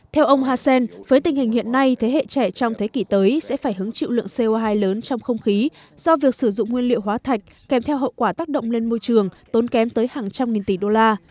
theo ông hassan với tình hình hiện nay thế hệ trẻ trong thế kỷ tới sẽ phải hứng chịu lượng co hai lớn trong không khí do việc sử dụng nguyên liệu hóa thạch kèm theo hậu quả tác động lên môi trường tốn kém tới hàng trăm nghìn tỷ đô la